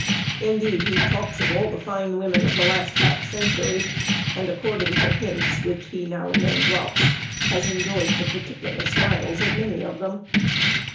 Indeed he talks of all the fine women of the last half century, and, according to hints which he now and then drops, has enjoyed the particular smiles of many of them.